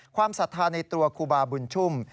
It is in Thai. ความสัทธาในตัวครูบาบุญชุม